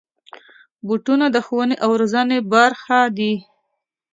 بوټونه د ښوونې او روزنې برخه دي.